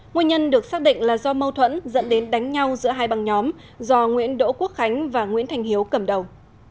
nguyên nhân được xác định là do mâu thuẫn dẫn đến đánh nhau giữa hai băng nhóm do nguyễn đỗ quốc khánh và nguyễn thành hiếu cầm đầu